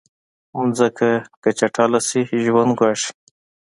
مځکه که چټله شي، ژوند ګواښي.